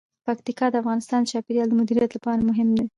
پکتیکا د افغانستان د چاپیریال د مدیریت لپاره مهم دي.